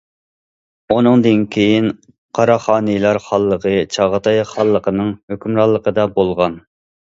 ئۇنىڭدىن كېيىن قاراخانىيلار خانلىقى، چاغاتاي خانلىقىنىڭ ھۆكۈمرانلىقىدا بولغان.